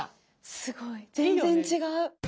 すごい全然違う。